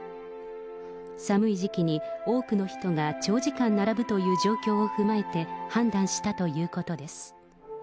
寒い時期に多くの人が長時間並ぶという状況を踏まえて判断したということです。